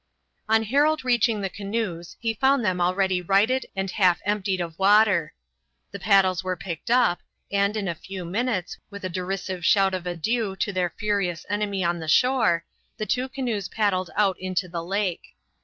On Harold reaching the canoes he found them already righted and half emptied of water. The paddles were picked up, and, in a few minutes, with a derisive shout of adieu to their furious enemy on the shore, the two canoes paddled out into the lake.